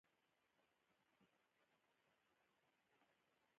تاسې بیا څه اورا واخیستلاست چې ژر راغلاست.